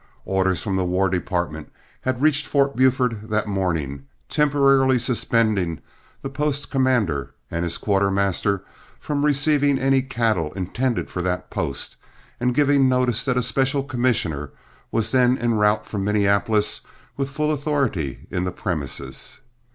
Orders from the War Department had reached Fort Buford that morning, temporarily suspending the post commander and his quartermaster from receiving any cattle intended for that post, and giving notice that a special commissioner was then en route from Minneapolis with full authority in the premises.